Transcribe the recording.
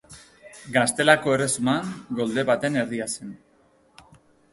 Gaztelako Erresuman golde baten erdia zen.